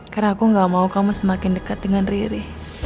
karena aku gak mau kamu semakin dekat dengan riri